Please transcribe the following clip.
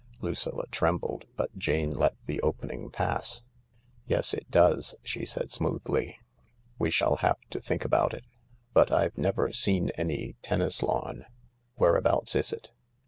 Lucilla trembled, but Jane let the opening pass. " Yes, it does," she said smoothly. " We shall have to think about it , But I've never seen any tennis lawn. Where abouts is it